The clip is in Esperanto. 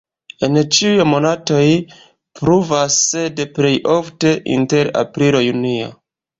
En ĉiuj monatoj pluvas, sed plej ofte inter aprilo-junio.